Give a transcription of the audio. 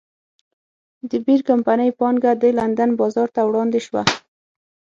د بیر کمپنۍ پانګه د لندن بازار ته وړاندې شوه.